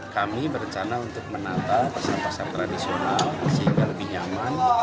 kami berencana untuk menata pasar pasar tradisional sehingga lebih nyaman